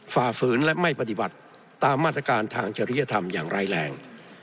ฝ่าฝืนและไม่ปฏิบัติตามมาตรการทางจริยธรรมอย่างร้ายแรง